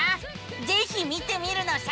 ぜひ見てみるのさ！